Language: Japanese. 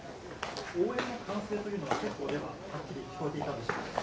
応援の歓声というのは、聞こえていたんでしょうか。